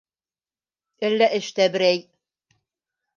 - Әллә эштә берәй...